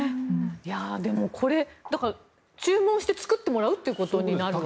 でもこれ、注文して作ってもらうということですよね。